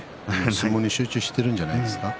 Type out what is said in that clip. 相撲に集中しているんじゃないですか。